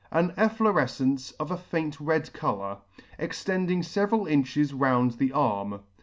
An efflorefcence of a faint red colour, extending feveral inches round the arm.